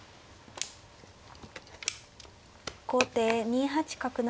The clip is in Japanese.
後手２八角成。